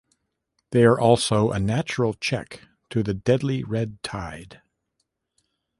They are also a natural check to the deadly red tide.